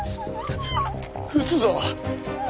撃つぞ！